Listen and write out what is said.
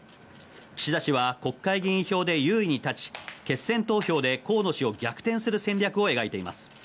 岸田氏は国会議員票で優位に立つ決選投票で河野氏を逆転する戦略を描いています。